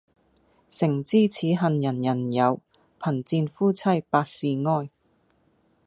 誠知此恨人人有，貧賤夫妻百事哀。